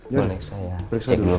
boleh saya cek dulu